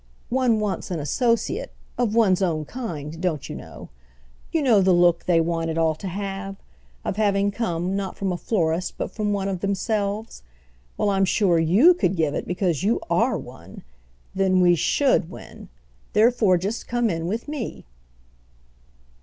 One wants an associate—of one's own kind, don't you know? You know the look they want it all to have?—of having come, not from a florist, but from one of themselves. Well, I'm sure you could give it—because you are one. Then we should win. Therefore just come in with me."